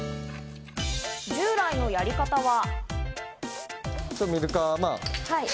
従来のやり方は。